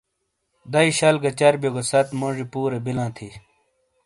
دئی شل گہ چربیوگہ ست موجی پورے بلاں تھیئ